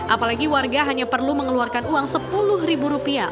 apalagi warga hanya perlu mengeluarkan uang sepuluh ribu rupiah